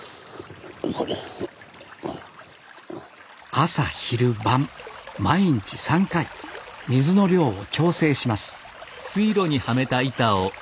朝昼晩毎日３回水の量を調整します